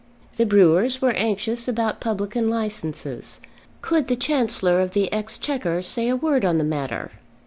The brewers were anxious about publican licences. Could the Chancellor of the Exchequer say a word on the matter?